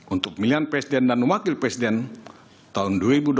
untuk pilihan presiden dan wakil presiden tahun dua ribu dua puluh